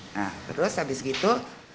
nah terus habis gitu